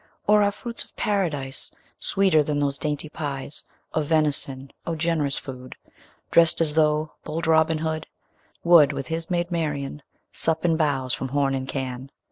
Or are fruits of Paradise Sweeter than those dainty pies Of venison? O generous food! Drest as though bold Robin Hood 10 Would, with his maid Marian, Sup and bowse from horn and can.